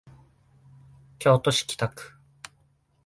京都市北区